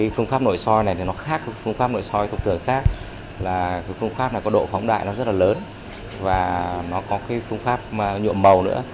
phương pháp này có độ phóng đại rất lớn và có phương pháp nhuộm màu nữa